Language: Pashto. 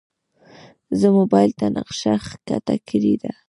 زه موبایل ته نقشه ښکته کړې ده.